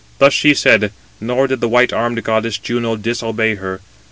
Thus she said: nor did the white armed goddess Juno disobey her.